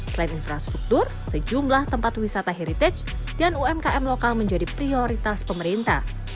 selain infrastruktur sejumlah tempat wisata heritage dan umkm lokal menjadi prioritas pemerintah